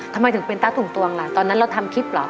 ทำไมถึงเป็นตาตุงตวงล่ะตอนนั้นเราทำคลิปเหรอ